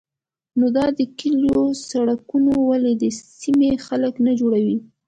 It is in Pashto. _نو دا د کليو سړکونه ولې د سيمې خلک نه جوړوي؟